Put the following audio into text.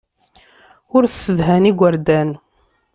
Ur ssedhan igerdan.